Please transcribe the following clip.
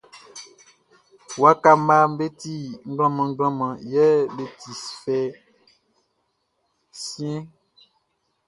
Waka mmaʼm be ti mlanmlanmlan yɛ be ti fɛ siɛnʼn.